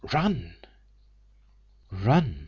Run!" Run!